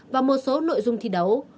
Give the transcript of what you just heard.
và một số nội dung thi đấu